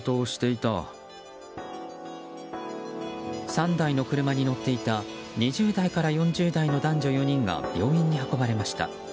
３台の車に乗っていた２０代から４０代の男女４人が病院に運ばれました。